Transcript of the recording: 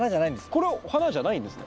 これお花じゃないんですね？